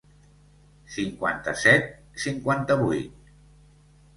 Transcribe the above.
Cinquanta-set, cinquanta-vuit.